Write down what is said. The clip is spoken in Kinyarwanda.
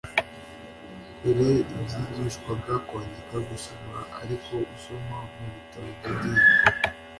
Dore ibyigishwaga: kwandika, gusoma (ariko usoma mu bitabo by'idini),